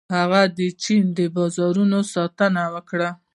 هغه د چین د بازارونو ستاینه وکړه.